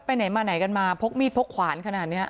ไหนมาไหนกันมาพกมีดพกขวานขนาดนี้